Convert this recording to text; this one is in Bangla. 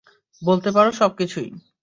বলতে পারো, সবকিছুই।